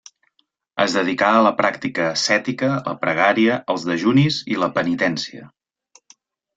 Es dedicà a la pràctica ascètica, la pregària, els dejunis i la penitència.